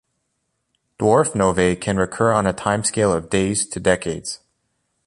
Dwarf novae can recur on a timescale of days to decades.